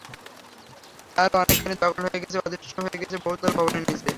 তারও অনেকখানি দখল হয়ে গেছে, অদৃশ্য হয়ে গেছে বহুতল ভবনের নিচে।